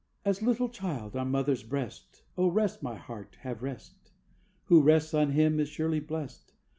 "_As little child On mother's breast, O rest, my heart, Have rest! Who rests on Him Is surely blest.